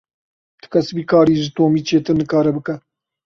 Ti kes vî karî ji Tomî çêtir nikare bike.